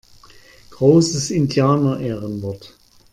Großes Indianerehrenwort!